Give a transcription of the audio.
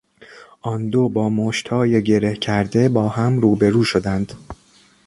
آندو با مشتهای گره کرده با هم رو به رو شدند.